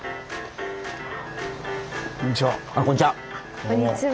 こんにちは。